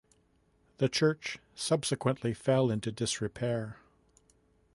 The church subsequently fell into disrepair.